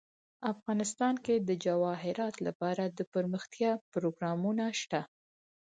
افغانستان کې د جواهرات لپاره دپرمختیا پروګرامونه شته.